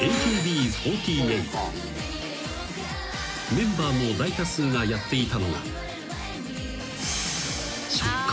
［メンバーの大多数がやっていたのが］